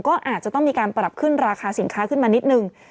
ก็อาจจะต้องมีการปรับขึ้นราคาสินค้าขึ้นมานิดนึง